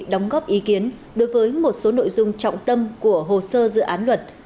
đóng góp ý kiến đối với một số nội dung trọng tâm của hồ sơ dự án luật